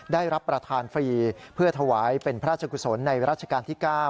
ได้รับประทานฟรีเพื่อถวายเป็นพระราชกุศลในรัชกาลที่๙